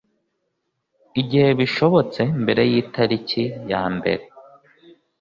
igihe bishobotse mbere y itarikiyambere